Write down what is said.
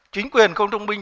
chính quyền không thông minh